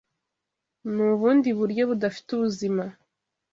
Nu bundi buryo budafite ubuzima